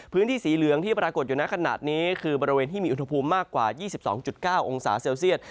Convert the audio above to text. พื้นที่สีเหลืองที่ปรากฏอยู่ในขณะนี้คือบริเวณที่มีอุณหภูมิมากกว่า๒๒๙องศาเซลเซียต